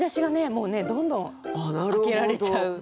もうねどんどん開けられちゃう。